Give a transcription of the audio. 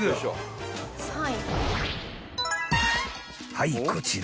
［はいこちら］